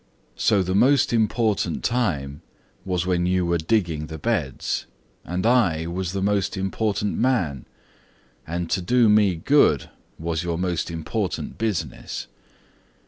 So the most important time was when you were digging the beds; and I was the most important man; and to do me good was your most important business.